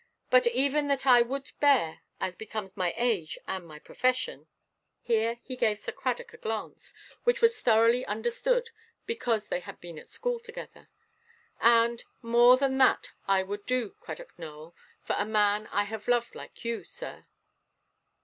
But even that I would bear, as becomes my age and my profession,"—here he gave Sir Cradock a glance, which was thoroughly understood, because they had been at school together,—"and more than that I would do, Cradock Nowell, for a man I have loved like you, sir."